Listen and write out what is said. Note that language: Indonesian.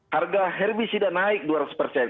harga herbisida naik dua ratus persen